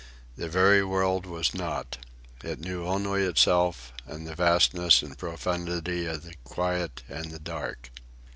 The very world was not. It knew only itself and the vastness and profundity of the quiet and the dark.